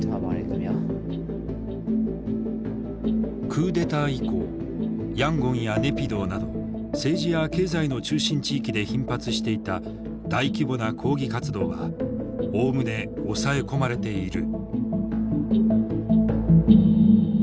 クーデター以降ヤンゴンやネピドーなど政治や経済の中心地域で頻発していた大規模な抗議活動はおおむね抑え込まれている。